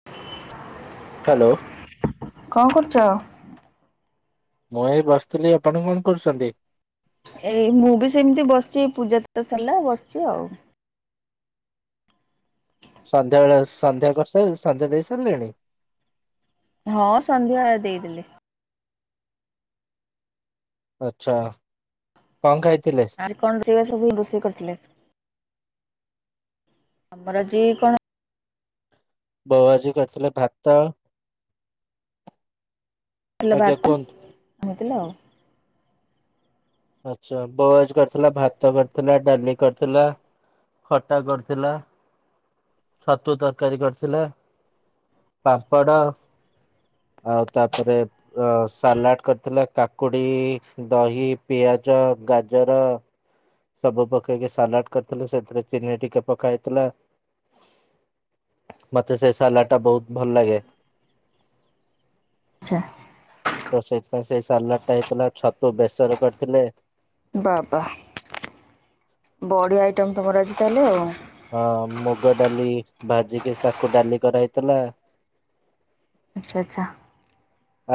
[inaudible] Hello. କଁ କରୁଚ? ମୁଁ ଏଇ ବସିଥିଲି ଆପଣ କଣ କରୁଚନ୍ତି। ଏଇ ମୁଁ ବି ସେମିତି ବସିଚି। ପୂଜା ତ ସରିଲା ବସିଚି ଆଉ। ସନ୍ଧ୍ୟାବେଳେ ସନ୍ଧ୍ୟା କରିସାରିଲେଣି ସନ୍ଧ୍ୟା ଦେଇ ସାରିଲେଣି? ହଁ ସନ୍ଧ୍ୟା ଦେଇଦେଲି। ଆଛା, କଂ ଖାଇଥିଲେ? ଆଜି କଣ ରୋଷେଇଆ ସବୁ ରୋଷେଇ କରିଥିଲେ? ଆମର ଆଜି କଣ ବୋଉ ଆଜି କରିଥିଲେ ଭାତ [unintelligible] ଆଜ୍ଞା ଭାତ କୁହନ୍ତୁ। ଖାଇଥିଲ। ଆଚ୍ଛା ବୋଉ ଆଜି କରିଥିଲା ଭାତ କରିଥିଲା ଡାଲି କରିଥିଲା ଖଟା କରିଥିଲା ଛତୁ ତରକାରୀ କରିଥିଲା ପାମ୍ପଡ଼ ଆଉ ତାପରେ ଅ ସାଲାଡ଼ କରିଥିଲା କାକୁଡ଼ି ଦହି ପିଆଜ ଗାଜର ସବୁ ପକେଇକି ସାଲାଡ କରିଥିଲୁ ସେଥିରେ ଚିନି ଟିକେ ପକା ହେଇଥିଲା। ମତେ ସେ ସାଲାଡ ଟା ବହୁତ ଭଲ ଲାଗେ। ଆଚ୍ଛା ତ ସେଇଥିପାଇଁ ସେଇ ସାଲାଡ ଟା ହେଇଥିଲା ଛତୁ ବେସରେ କରିଥିଲେ। ବା ବା ବଡ଼ିଆ ଆଇଟମ୍ ତମର ଆଜି ତାହେଲେ ଆଉ। ହଁ ମୁଗ ଡାଲି ଭାଜିକି ତାକୁ ଡାଲି କରାହେଇଥିଲା। ଆଚ୍ଛା ଆଚ୍ଛା।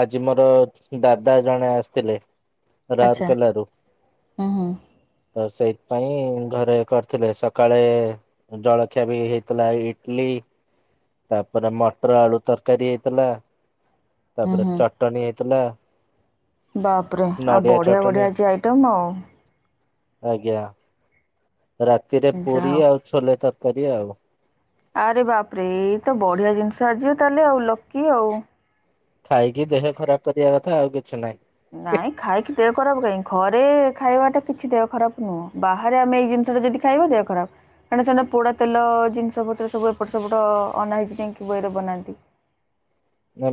ଆଜି ମୋର ଦାଦା ଜଣେ ଆସିଥିଲେ। ଆଚ୍ଛା ରାଉଲକେଲାରୁ। ହୁଁ ହୁଁ ତ ସେଇଥିପାଇଁ ଘରେ କରିଥିଲେ ସକାଳେ ଜଳଖିଆ ବି ହେଇଥିଲା ଇଟଲି ତାପରେ ମଟର ଆଳୁ ତରକାରୀ ହେଇଥିଲା ହୁଁ ତାପରେ ହୁଁ। ଚଟଣି ହେଇଥିଲା। ବାପରେ ଆଉ ନଡିଆ ବଢ଼ିଆ ଚଟଣି ବଢିଆ ଆଜି ଆଇଟମ୍ ଆଉ। ଆଜ୍ଞା। ରାତିରେ ଯାହା ପୁରୀ ହଉ। ଆଉ ଛୋଲେ ତରକାରୀ ଆଉ। ଆରେ ବାପରେ ଏଇତ ବଢିଆ ଜିନିଷ ଆଜିି ତାହେଲେ ଆଉ ଲକି ଆଉ। ଖାଇକି ଦେହ ଖରାପ କରିବା କଥା ଆଉ କିଛି ନାହିଁ। ନାଇଁ ଖାଇକି ଦେହ ଖରାପ କାଇହିଁ ଘରେ ଖାଇବା ଟା କିଛି ଦେହ ଖରାପ ନୁହଁ ବାହାରେ ଆମେ ଏଇ ଜିନିଷ ଟା ଯଦି ଖାଇବ ଦେହ ଖରାପ ଏଣେ ସେଣେ ପୋଡ଼ା ତେଲ ଜିନିଷ ପତ୍ର ସବୁ ଏପଟ ସେପଟ ଅନହାଇଜେନିକି ୱେରେ ବନାନ୍ତି। [inaudible]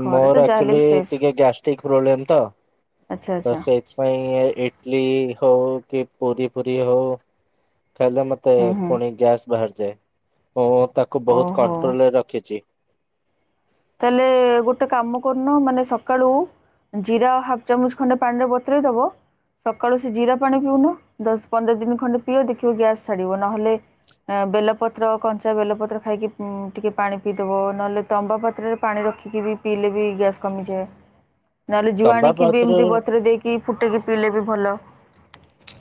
ଘରେ ତ ମୋର ଯାହାହେଲେ ଆକଚୁଆଲି ବି ସେଫ୍ ଟିକେ ଗ୍ୟାଷ୍ଟ୍ରିକ ପ୍ରୋବ୍ଲେମ ତ। ଆଚ୍ଛା ତ ଆଚ୍ଛା ସେଇ ପାଇଁ ଇଟଲି ହଉ କି ପୁରୀ ପୁରୀ ହଉ ଖାଇଲେ ମତେ ହୁଁ ହୁଁ ପୁଣି ଗ୍ୟାସ୍ ବାହାରିଯାଏ, ମୁଁ ତାକୁ ବହୁତ ଓହୋ। କଣ୍ଟ୍ରୋଲ ରେ ରଖିଛି। ତାହେଲେ ଗୋଟେ କାମ କରୁନୁ ମାନେ ସକାଳୁ ଜିରା ହାଫ ଚାମଚ ଖଣ୍ଡେ ପାଣିର ବୋତରେଇ ଦେବ। ସକାଳୁ ସେ ଜିରା ପାଣି ପିଉନ ଦଶ ପନ୍ଦର ଦିନ ଖଣ୍ଡେ ପିଅ ଦେଖିବ ଗ୍ୟାସ୍ ଛାଡ଼ିବ, ନହେଲେ ବେଲପତ୍ର କଞ୍ଚା ବେଲପତ୍ର ଖାଇକି ଟିକେ ପାଣି ପିଇଦବ ନହେଲେ ତମ୍ବା ପ ତ୍ରରେ ପାଣି ରଖିକି ବି ପିଇଲେ ବି ଗ୍ୟାସ୍ କମିଯାଏ। ନହେଲେ ତମ୍ବା ଜୁଆଣିକି ବି ପତ୍ର ଏମିତି ବତରେଇ ଦେଇକି ଫୁଟକି ପିଇଲେ ବି ଭଲ।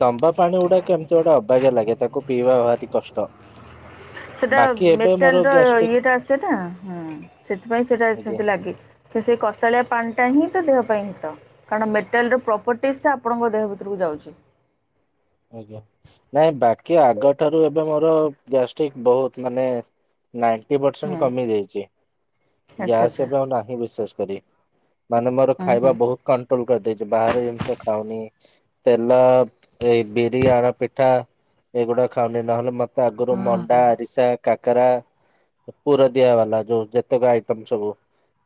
ତମ୍ବା ପାଣି ଗୁଡାକ କେମିତି ଗୋଟେ ଅବାଗା ଲାଗେ ତାକୁ ପିଇବା ଭାରି କଷ୍ଟ। ସେଇଟା ବାକି ଏବେ ମୋର ମେଟାଲର ଗ୍ୟାଷ୍ଟ୍ରିକ ଇଏଟା ଆସେଟ ହଁ ସେଥିପାଇଁ ସେଇଟା ଆଜ୍ଞା ସେମତି ଲାଗେ। ତ ସେଇ କଷାଳିଆ ପାଣିଟା ହିଁ ତ ଦେହ ପାଇଁ ହିତ। କାରଣ ମେଟାଲର ପ୍ରପର୍ଟିସ୍ଟା ଆପଣଙ୍କ ଦେହ ଭିତରକୁ ଯାଉଛି। ଆଜ୍ଞା ନାଇଁ ବାକି ଆଗଠାରୁ ଏବେ ମୋର ଗ୍ୟାଷ୍ଟ୍ରିକ ବହୁତ ମାନେ ନାଇଣ୍ଟି ପରସେଣ୍ଟ ହୁଁ କମି ଯାଇଛି, ଆଚ୍ଛା ଗ୍ୟାସ୍ ଆଚ୍ଛା ଏବେ ଆଉ ନାହିଁ ବିଶେଷ କରି। ମାନେ ମୋର ହୁଁ ଖାଇବା ହୁଁ ବହୁତ କଣ୍ଟ୍ରୋଲ କରିଦେଇଛି ବାହାରେ ଜିନିଷ ଖାଉନି। ତେଲ ଏଇ ବିରି ଆଳ ପିଠା ଏଗୁଡା ଖାଉନି ନହେଲେ ମତେ ଆଗରୁ ହଁ ମଣ୍ଡା ହଁ ଆରିଶା କାକରା ପୁର ଦିଆ ବାଲା ଯୋଉ ଯେତେକ ଆଇଟମ ସବୁ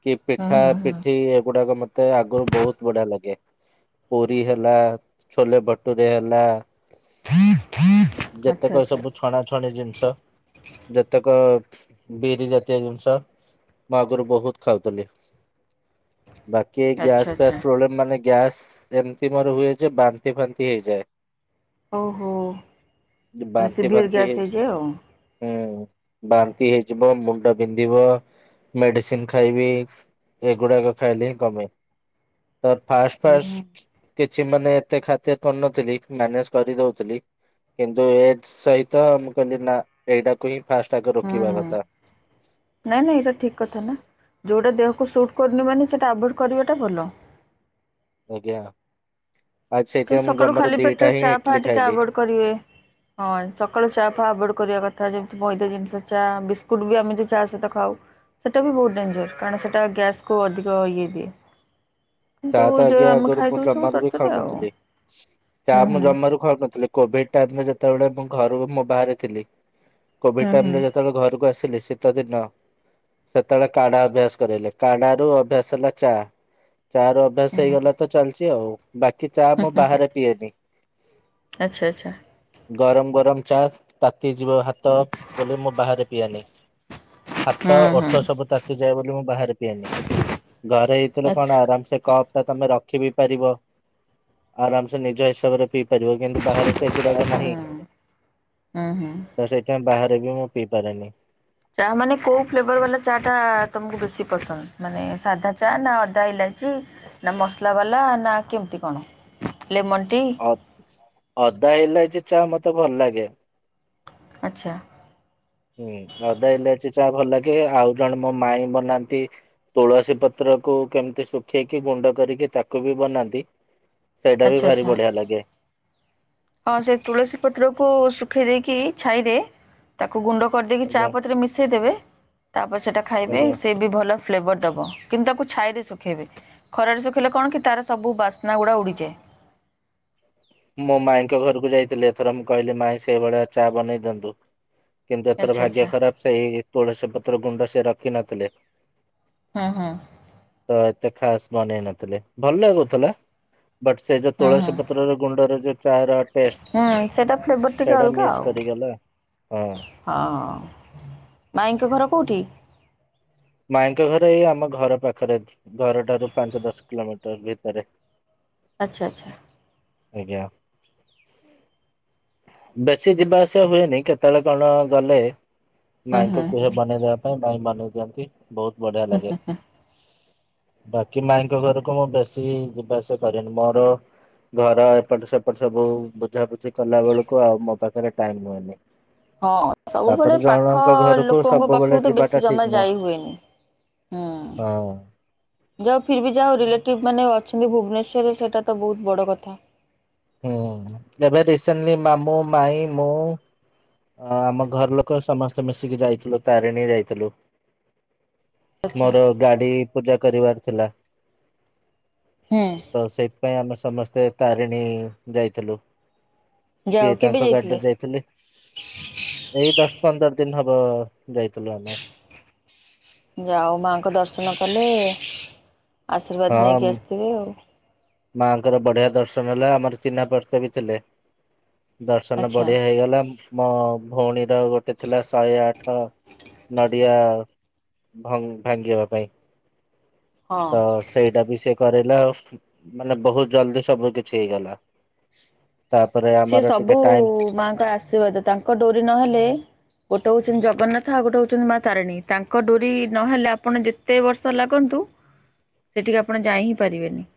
କି ହୁଁ ପିଠା ହୁଁ ହୁଁ ପିଠି, ଏଗୁଡାକ ମ ମତେ ଆଗରୁ ବହୁତ ବଢିଆ ଲାଗେ। ପୁରୀ ହେଲା, ଛୋଲେ ବଟୁରୀ ହେଲା। ଆଚ୍ଛା ଯେତେକ ଆଚ୍ଛା। ସବୁ ଛଣାଛଣି ଜିନିଷ। ଯେତେକ ବିରି ଜାତୀୟ ଜିନିଷ। ମୁଁ ଆଗରୁ ବହୁତ ଖାଉଥିଲ। ବାକି ଆଚ୍ଛା ଗ୍ୟାସ୍ ଆଚ୍ଛା ଫ୍ୟାସ୍ ପ୍ରୋବ୍ଲେ, ମାନେ ଗ୍ୟାସ ଏମିତି ମୋର ହୁଏ ଯେ ବାନ୍ତି ଫାନ୍ତି ହେଇଯାଏ। ଓହୋ, ମାନେ ବାନ୍ତି ସିଭିିୟର୍ ଫାନ୍ତି ଗ୍ୟାସ୍ ହେଇ ହେଇଯିବ ଆଉ। ହୁଁ। ବାନ୍ତି ହେଇଯିବ। ମୁଣ୍ଡ ବିନ୍ଧିବ। ମେଡିସିନ୍ ଖାଇବି। ଏଗୁଡାକ ଖାଇଲେ ହିଁ କମେ। ତ ଫାଷ୍ଟ ହୁଁ ହୁଁ ଫାଷ୍ଟ କିଛି ମାନେ ଏତେ ଖାତିର୍ କରିନଥିଲି। ମ୍ୟାନେଜ କରି ଦଉଥିଲି କିନ୍ତୁ ଏ ସହିତ ମୁଁ କହିଲି ନା। ଏଇଟାକୁ ହିଁ ଫାଷ୍ଟ ଆଗେ ରୋକିବା କଥା। ନାଇଁ ନାଇଁ, ଏଇଟା ଠିକ୍ କଥା ନା। ଯେଉଁଟା ଦେହକୁ ସୁଟ୍ କରୁନି ମାନେ ସେଇଟା ଆଭୋଏଡ଼୍ କରିବାଟା ଭଲ। ଆଜ୍ଞା। ଆଜି କିନ୍ତୁ ସେଇଥିପାଇଁ ମୁଁ ସକାଳୁ ଖାଲି ଜମାରୁ ପେଟରେ ଦିଟା ହିଁ ଚା ଫା ଇଟଲିି ଟିକେ ଖାଇଲି। ଆଭଏଡ୍ କରିବେ। ହଁ ସକାଳୁ ଚା ଫା ଆଭଏଡ଼ କରିବା କଥା। ଯେମିତି ମଇଦା ଜିନିଷ, ଚା ବିସ୍କୁଟ୍ ବି ଆମେ ଯୋଉ ଚା ସହିତ ଖାଉ। ସେଇଟା ବି ବହୁତ ଡେଞ୍ଜର କାରଣ ସେଇଟା ଗ୍ୟାସକୁ ଅଧିକ ଇଏ ଦିଏ। ତା କିନ୍ତୁ ତ ଯୋଉ ଆଜ୍ଞା ଆମେ ଖାଇଦଉଚୁ ତରତରରେ ଆଉ। ହୁଁ ଚାହା ମୁଁ ହୁଁ। ଜମାରୁ ଖାଉ ନଥିଲି। କୋଭିଡ ଟାଇମରେ ଯେତେବେଳେ ମୁଁ ଘରୁ ମୁଁ ବାହାରେ ଥିଲି। ହୁଁ କୋଭିଡ ଟାଇମରେ ହୁଁ ଯେତେବେଳେ ଘରକୁ ଆସିଲି ଶୀତ ଦିନ। ସେତବେଳେ କାଢା ଅଭ୍ୟାସ କରେଇଲେ। କାଢାରୁ ଅଭ୍ୟାସ ହେଲା ଚା। ଚା ର ଅଭ୍ୟାସ ହେଇଗଲା ତ ଚାଲିଛି ଆଉ। ବାକି ଚା ମୁଁ ବାହାରେ ପିଏନି। ଆଚ୍ଛା ଆଚ୍ଛା। ଗରମ ଗରମ ଚା ତାତିଯିବ ହାତ ବୋଲି ମୁଁ ବାହାରେ ପିଏନି। ହାତ, ହୁଁ ହୁଁ ଓଠ ସବୁ ତାତିଯାଏ ବୋଲି ମୁଁ ବାହାରେ ପିଏନି। ଘରେ ହେଇଥିଲେ ଆଚ୍ଛା କଣ ଆରାମ ସେ କପଟା ତମେ ରଖିବି ପାରିବ। ଆରାମସେ ନିଜ ହିସାବରେ ପିଇ ପାରିବ କିନ୍ତୁ ବାହାରେ ସେଗୁଡାକ ନାହିଁ। ହୁଁ। ହୁଁ ହୁଁ। ତ ସେ ଥିପାଇଁ ବାହାରେ ବି ମୁଁ ପିଇ ପାରେନି। ଚା ମାନେ କୋଉ ଫ୍ଲେଭର ବାଲା ଚା ଟା ତମକୁ ବେଶି ପସନ୍ଦ, ମାନେ ସାଧା ଚା ନା ଅଦା ଇଲାଇଚି। ନା ମସଲା ବାଲା ନା କେମିତି କଣ? Lemon tea. ଅଦା ଇଲାଇଚି ଚାହା ମତେ ଭଲ ଲାଗେ। ଆଚ୍ଛା। ହୁଁ। ଆଦା ଇଲାଇଚି ଚା ଭଲ ଲାଗେ। ଆଉ ଜଣେ ମୋ ମାଇଁ ବନାନ୍ତି ତୁଳସୀ ପତ୍ରକୁ କେମିତି ଶୁଖେଇକି ଗୁଣ୍ଡ କରିକି ତାକୁ ବି ବନାନ୍ତି? ସେଇଟା ବି ଆଚ୍ଛା ଭାରି ଆଚ୍ଛା ବଢିଆ ଲାଗେ। ହଁ, ସେ ତୁଳସୀ ପତ୍ରକୁ ଶୁଖେଇ ଦେଇକି ଛାଇରେ ତାକୁ ଗୁଣ୍ଡ କରିଦେଇକି ଚା ଆଜ୍ଞା ପତିରେ ମିଶେଇ ଦେବେ। ତା ପରେ ସେଇଟା ଖାଇବେ। ଆଜ୍ଞା। ସେ ବି ଭଲ। ଫ୍ଲେଭର୍ ଦେବ କିନ୍ତୁ ତାକୁ ଛାଇରେ ଶୁଖେଇବେ। ଖରାରେ ଶୁଖେଇଲେ କଣ କି ତାର ସବୁ ବାସ୍ନାଗୁଡା ଉଡିଯାଏ? ମୋ ମାଇଁଙ୍କ ଘରକୁ ଯାଇଥିଲି। ଏଥର ମୁଁ କହିଲି ମାଇଁ ସେଇ ଭଳିଆ ଚା ବନେଇ ଦିଅନ୍ତୁ। କିନ୍ତୁ ଏଥର ଆଚ୍ଛା ଆଚ୍ଛା ଭାଗ୍ୟ ଖରାପ। ସେହି ତୁଳସୀ ପତ୍ର ଗୁଣ୍ଡ ସେ ରଖିିନଥିଲେ। ହଁ ହଁ ତ ଏତେ ଖାସ ବନେଇ ନଥିଲେ ଭଲ ଲାଗୁଥିଲା। ବଟ ସେଇ ଯୋଉ ହୁଁ ହୁଁ ତୁଳସୀ ପତ୍ରର ଗୁଣ୍ଡରେ ଯୋଉ ଚାଏରଡ ପେଷ୍ଟେ ହୁଁ ସେଇଟା ଫ୍ଲେଭର୍ ଟିକେ ସେଇଟା ମିସ କରିଗଲା ହଁ। ଅହ ମାଇଁଙ୍କ ଘର କୋଉଠି? ମାଇଁଙ୍କ ଘର ଏଇ ଆମ ଘର ପାଖରେ ଘରଟାରୁ ପାଞ୍ଚ ଦଶ କିଲୋମିଟର ଭିତରେ ଆଚ୍ଛା ଆଚ୍ଛା ଆଜ୍ଞା। ବେଶୀ ଯିବା ଆସିବା ହୁଏନି କେତେବେଳେ କଣ ଗଲେ? ହୁଁ ମାଇଁଙ୍କୁ ହୁଁ କୁହେ ହୁଁ ବନେଇଦବା ପାଇଁ ମାଇଁ ବନେଇ ଦିଅନ୍ତି ବହୁତ ବଢିଆ ଲାଗେ। ବାକି ମାାଇଁଙ୍କ ଘରକୁ ମୁଁ ବେଶୀ ଯିବା ଆସିବା କରେନି ମୋର ଘର ଏପଟ ସେପଟ ସବୁ ବୁଝା ବୁଝି କଲା ବେଳକୁ ଆଉ ମୋ ପାଖରେ ଟାଇମ ରୁହେଁନି। ହଁ ସବୁବେଳେ ପାଖ ଘରକୁ ଲୋକଙ୍କ ସବୁବେଳେ ପାଖକୁତ ଯିବାଟା ବେଶୀ ଠିକ ଜମା ନୁହଁ ଯାଇ ହୁଏନି। [inaudible] ହଁ। ଯା ଫିରବି ଯାହାଉ ରିଲେଟିଭ ମାନେ ଅଛନ୍ତି ଭୁବନେଶ୍ୱରେ ସେଇଟାତ ବହୁତ ବଡ଼ କଥା। ହୁଁ ଏବେ ରିସେଣ୍ଟଲି ମାମୁଁ ମାଇଁ ମୁଁ। ହଁ ଆମ ଘର ଲୋକ ସମସ୍ତେ ମିଶିକି ଯାଇଥିଲୁ ତାରିଣୀ ଯାଇଥିଲୁ। ଆଚ୍ଛା। ମୋର ଗାଡି ପୂଜା କରିବାର ଥିଲା। ଉୁଁ। ତ ସେଇଥିପାଇଁ ଆମେ ସମସ୍ତେ ତାରିଣୀ ଯାଇଥିଲୁ। ଯାଉ ସିଏ କେବେ ତାଙ୍କ ଗାଡଲ ଯାଇଥିଲେ। ଏଇ ଦଶ ପନ୍ଦରଦିନ ହବ ଯାଇଥିଲୁ ଆମେ। ଯାହା ହଉ ମାଆଙ୍କ ଦର୍ଶନ କଲେ ଆଶୀର୍ବାଦ ହଁ ନେଇକି ଆସିଥିବେ ଆଉ। ମାଆଙ୍କର ବଢିଆ ଦର୍ଶନ ହେଲା ଆମର ଚିହ୍ନା ପଚବି ଥିଲେ। ଦର୍ଶନ ଆଚ୍ଛା ବଢିଆ ହେଇଗଲା। ମୋ ଭଉଣୀର ଗୋଟେ ଥିଲା ଶହେଆଠ ନଡିଆ ଭଙ୍ଗ ଭାଙ୍ଗି ହେବାପାଇଁ ହଁ ତ ସେଇଟାବି ସେ କରେଇଲା ଆଉ ହୁଁ। ମାନେ ବହୁତ ଜଲଦି ସବୁ କିଛି ହେଇଗଲା ତାପରେ ଆମର ଟିକିଏ ଟାଇମ। ତା ଆଶୀର୍ବାଦ ତାଙ୍କ ଡୋରି ନହେଲେ ଗୋଟେ ହଉଛନ୍ତି ଜଗନ୍ନାଥ ଆଉ ଗୋଟେ ହଉଛନ୍ତି ମା ତାରିଣୀ ତାଙ୍କ ଡୋରି ନହେଲେ ଆପଣ ଯେତେ ଯେତେ ବର୍ଷ ଲାଗନ୍ତୁ ସେଠିକି ଆପଣ ଯାଇହିଁ ପାରିବେନି।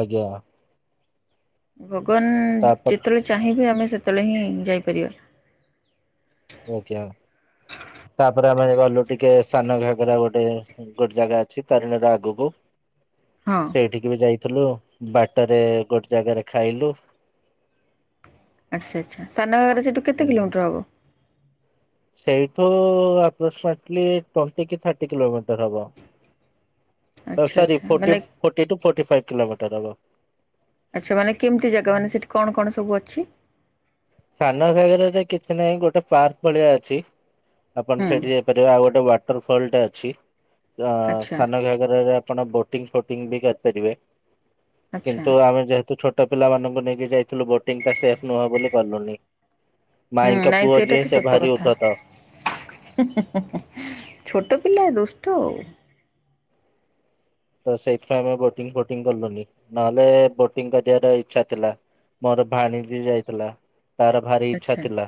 ଆଜ୍ଞା। ଭଗବାନ ତାପରେ ଯେତେବେଳେ ଚାହିଁବେ ଆମେ ସେତେବେଳେହିଁ ଯାଇପାରିବା। ଆଜ୍ଞା ତାପରେ ଆମେ ଗଲୁ ଟିକିଏ ସାନ ଘାଗରା ଗୋଟେ ଗୋଟେ ଜାଗା ଅଛି ତାରେଣୀର ଆଗକୁ। ହଁ। ସେଇଠିକିବି ଯାଇଥିଲୁ ବାଟରେ ଗୋଟେ ଜାଗାରେ ଖାଇଲୁ। ଆଚ୍ଛା ଆଚ୍ଛା ସାନ ଘାଗରା ସେଠୁ କେତେ କିଲୋମିଟର ହବ। ସେଇଠୁ [unintelligible] ଟୋନ୍ତିକି ଥାର୍ଟି କିଲୋମିଟର ହବ। ତ ଆଚ୍ଛା ସରି ଆଚ୍ଛା ଫୋର୍ଟି ମାନେ ଫୋର୍ଟିଟୁ ଫୋଟି ଫାଇବ କିିଲୋମିଟର ହବ। ଆଚ୍ଛା ମାନେ କେମିତି ଜାଗା ମାନେ ସେଠି କଣ କଣ ସବୁଅଛି? ସାନ ଘାଗରାରେ କିଛି ନାହିଁ ଗୋଟେ ପାର୍କ ଭଳିଆ ଅଛି ଆପଣ ହୁଁ ସେଠି ସେଠିବି ଆଉ ଗୋଟେ ୱାଟର ଫଲଟା ଅଛି ତ ଆଚ୍ଛା ସାନ ଘାଗରରେ ଆପଣ ବୋଟ ବୋଟିଗଂ ୱେଟିଙ୍ଗ କରିପାରିବେ ଆଚ୍ଛା କିନ୍ତୁ ଆମେ ଯେହେତୁ ଛୋଟ ଛୋଟ ପିଲାମାନଙ୍କୁ ନେଇକି ଯାଇଥିଲୁ ବୋଟିଂ ଟା ସେଫ୍ ନୁହଁ ବୋଲି କଲୁନି। ହୁଁ ମାଇଙ୍କ ନାଇଁ ପୁଅ ସେଇଟା ଝିଅ ତ ସେ ସତ ଭାରି କଥା। ଉର୍ଦ୍ଧତ। ଛୋଟ ପିଲା ଦୁଷ୍ଟ ଆଉ। ତ ସେଇଥିପାଇଁ ଆମେ ବୋଟିଙ୍ଗି ଫୋଟିଙ୍ଗି କଲୁନି ନହେଲେ ବୋଟିଙ୍ଗି କରିବାର ଇଚ୍ଛା ଥିଲା। ମୋର ଭାଣଜି ଯାଇଥିଲା। ତାର ଭାରି ଇଛା ଆଚ୍ଛା ଥିଲା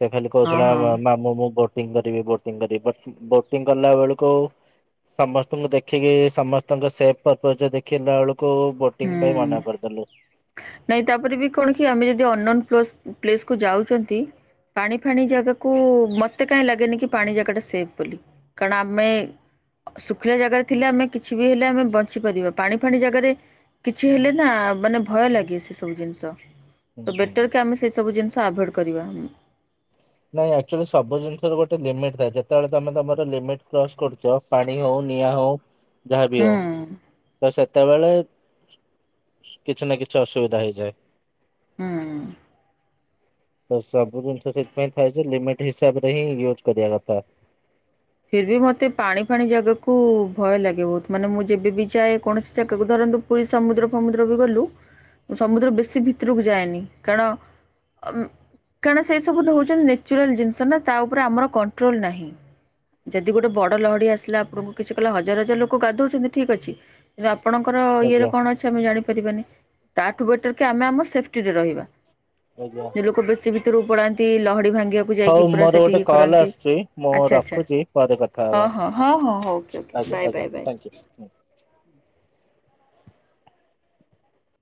ସେ ଖାଲି ହଁ କହୁଥିଲା ହଁ ମା ମାମୁ ମୁଁ ବୋ ବୋଟିଙ୍ଗି କରିବି ବୋଟିଙ୍ଗି କରିବି ବୋଟିଙ୍ଗି କଲା ବେଳକୁ ସମସ୍ତଙ୍କୁ ଦେଖ ଦେଖିକି ସମସ୍ତଙ୍କ ସେଫ ପପଜରେ ଦେଖିଲା ବେଳକୁ ବୋଟିଂ ପାଇଁ ମନା କରିଦେଲୁ। ହୁଁ। ନାଇଁ ତାପରେ ବି କଣ କି ଆମେ ଯଦି ଅନନ୍ନ ପସ ପ୍ଲେସକୁୁ ଯାଉଛନ୍ତି ପାଣି ଫାଣି ଜାଗାକୁ ମତେ କାହିଁ ଲାଗେନି କି ପାଣି ଜାଗା ଟା ସେଫ୍ ବୋଲି। କାରଣ ଆମେ ଶୁଖିଲା ଜାଗାରେ ଥିଲେ ଆମେ କିଛି ବି ହେଲେ ଆମେ ବଞ୍ଚିପାରିବା ପାଣି ଫାଣି ଜାଗାରେ କିଛି ହେଲେ ନା ମାନେ ଭୟ ଲାଗେ ସେ ସବୁ ଜିନିଷ ତ ହୁଁ। ବେଟର କି ଆମେ ସେ ସବୁ ଜିନିଷ ଆଭଏଡ କରିବା। ନାଇଁ ଆକ୍ଚୁଲି ସବୁ ଜିନିଷ ଗୋଟେ ଲିମିଟ୍ ଥାଏ ଯେତେବେଳେ ତମେ ତମର ଲିମିଟି କ୍ରସ୍ କରୁଚ ପାଣି ହଉ ନିଆଁ ହଉ ଯାହାଵି ହଉ। ହୁଁ। ତ ସେତେବେଳେ କିଛି ନା କିଛି ଅସୁବିଧା ହେଇଯାଏ। ହୁଁ। ତ ସବୁ ଜିନିଷ ସେଥିପାଇଁ ଥାଏଯେ ଲିମିଟି ହିସାବରେ ହିଁ ଇୟୁଜୁ କରିବା କଥା। ଫିର୍ ବି ମୋତେ ପାଣି ଫାଣି ଜାଗାକୁ ଭୟ ଲାଗେ ବହୁତୁ ମାନେ ମୁଁ ଯେବେ ବିି ଯାଏ କୌଣସି ଜାଗାକୁ ଧରନ୍ତୁ ପୁରୀ ସମୁଦ୍ର ଫୁମୁଦ୍ର ବି ଗଲୁ ସମୁଦ୍ର ବେଶୀ ଭିତରକୁ ଯାଏନି କାରଣ କାରଣ ସେ ସବୁ ଦଉଚନ୍ତି ନେଚ୍ୟୁରାଲ ଜିନିଷ ନା ତା ଉପରେ ଆମର କଣ୍ଟ୍ରୋଲ୍ ନାହିଁ। ଯଦି ଗୋଟେ ବଡ ଲହଡି ଆସିଲା ଆପଣଙ୍କୁ କିଛି କିଲ ହଜାର ହଜାର ଲୋକ ଗାଧଉଛନ୍ତି ଠିକି ଅଛି। ଆପଣଙ୍କର ଇଏରେ ଆଜ୍ଞା। କଣ ଅଛି ଆମେ ଜାଣିପାରିବାନି ତାଠୁ ବେଟର୍ କି ଆମେ ଆମ ସେଫ୍ଟିରେ ରହିବା। ଆଜ୍ଞା। ଯୋଉ ଲୋକ ବେଶୀ ଭିତରକୁ ପଡାନ୍ତି ଲହଡି ଭାଙ୍ଗିବାକୁ ଯାଇକି ହଉ ପୁରା ମୋର ସେଠି ଗୋଟେ କଲ୍ କରନ୍ତି ଆସୁଛି ମୁଁ ଆଚ୍ଛା ଆଚ୍ଛା। ରଖୁଛି ପରେ କଥା ହଁ ହବା ହଁ ହଁ ହଁ ହଉ ଓକ ଓକ ଆଜ୍ଞା ବାଏ ବାଏ ଆଜ୍ଞା ବାଏ। ଥ୍ୟାଙ୍କୟୁ।